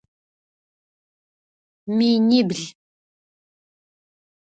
Минибл.